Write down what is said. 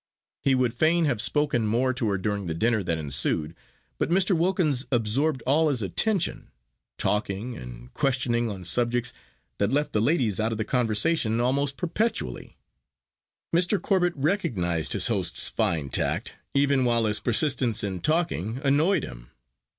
He would fain have spoken more to her during the dinner that ensued, but Mr. Wilkins absorbed all his attention, talking and questioning on subjects that left the ladies out of the conversation almost perpetually. Mr. Corbet recognised his host's fine tact, even while his persistence in talking annoyed him.